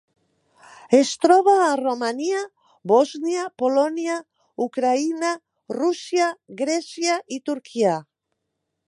Es troba a Romania, Bòsnia, Polònia, Ucraïna, Rússia, Grècia i Turquia.